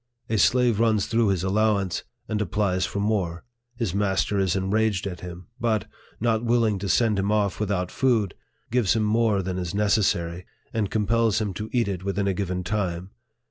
A slave runs through his allowance, and applies for more. His master is enraged at him ; but, not willing to send him off without food, gives him more than is necessary, and compels him to eat it within a given time.